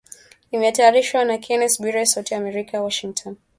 Imetayarishwa na Kennes Bwire, sauti ya Amerika Washington